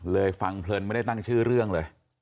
ฟังเพลินไม่ได้ตั้งชื่อเรื่องเลย